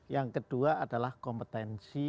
yang kedua adalah kompetensi